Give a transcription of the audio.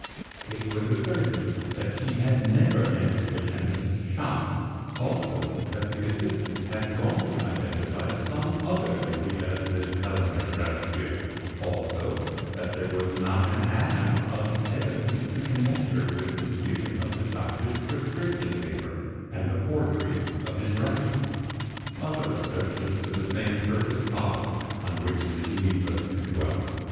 It was asserted that she had never entered the chemist's shop; also, that the assistant had wrongly identified some other lady as Miss Helena Gracedieu; also, that there was not an atom of evidence to connect her with the stealing of the doctor's prescription paper and the forgery of his writing. Other assertions to the same purpose followed, on which it is needless to dwell.